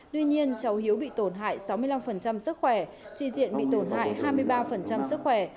tuy nhiên cháu hiếu bị tổn hại sáu mươi năm sức khỏe chị diện bị tổn hại hai mươi ba sức khỏe